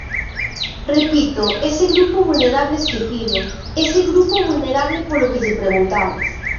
Repito: ese grupo vulnerable esquecido, ese grupo vulnerable polo que lle preguntamos.